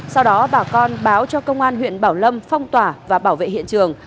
sau đó bà con báo cho công an huyện bảo lâm phong tỏa và bảo vệ hiện trường